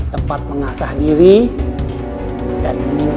tempat mengasah diri dan menimba ilmu